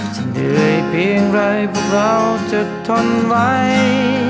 จะเหนื่อยเพียงไรพวกเราจะทนไว้